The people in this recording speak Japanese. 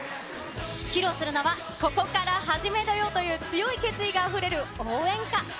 披露するのは、ここから始めよう！という強い決意があふれる応援歌。